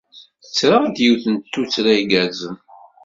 Ttreɣ-d yiwet n tuttra igerrzen.